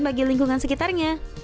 bagi lingkungan sekitarnya